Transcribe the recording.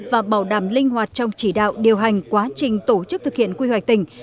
và bảo đảm linh hoạt trong chỉ đạo điều hành quá trình tổ chức thực hiện quy hoạch tỉnh